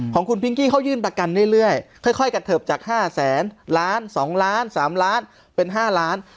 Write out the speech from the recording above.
ของคุณพิงกี้เขายื่นประกันเรื่อยค่อยกระเทิบจาก๕แสนล้าน๒ล้าน๓ล้านเป็น๕ล้าน